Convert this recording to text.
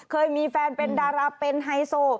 เคยมีแฟนเป็นดาราเป็นไฮโซ